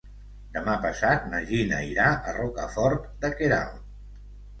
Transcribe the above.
Demà passat na Gina irà a Rocafort de Queralt.